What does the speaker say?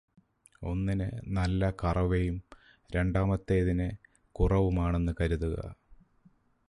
ഒന്നിന് നല്ല കറവയും, രണ്ടാമത്തേതിന് കുറവുമാണെന്നു കരുതുക.